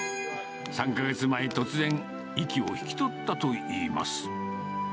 ３か月前、突然、息を引き取ったといいます。